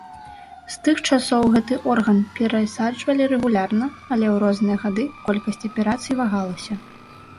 З тых часоў гэты орган перасаджвалі рэгулярна, але ў розныя гады колькасць аперацый вагалася.